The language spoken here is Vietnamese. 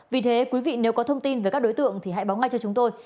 vì thế quý vị nếu có thông tin về các đối tượng thì hãy báo ngay cho chúng tôi